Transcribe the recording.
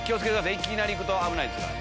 いきなり行くと危ないですから。